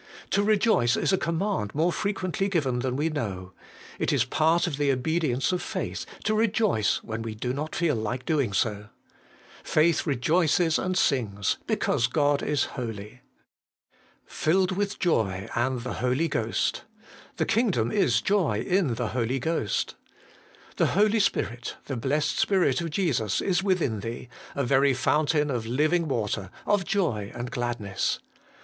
To rejoice Is a command more frequently given than we know. It is part of the obedience of faith, to rejoice when we do not feel like doing so. Faith rejoices and sings, because God is holy. 3. 'Filled with joy and the Holy Ghost,' 'The Kingdom Is Joy In the Holy Ghost. ' The Holy Spirit, the Blessed Spirit of Jesus is within thee, a very fountain of living water, of joy and gladness.